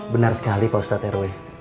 benar sekali pak ustadz rw